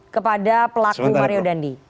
kepada pelaku mario dandi